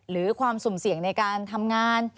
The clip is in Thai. หรือความสุ่มเสี่ยงในการทำงาน